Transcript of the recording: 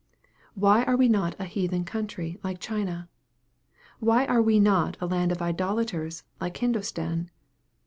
Why are we not a heathen country, like China ? Why are we not a land of idolaters, like Hindostan